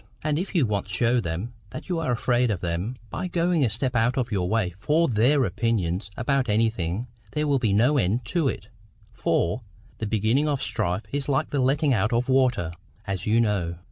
And if you once show them that you are afraid of them by going a step out of your way for THEIR opinion about anything, there will be no end to it; for, the beginning of strife is like the letting out of water, as you know.